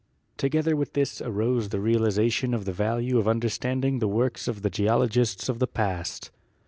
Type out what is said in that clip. Together with this arose the realization of the value of understanding the works of the geologists of the past.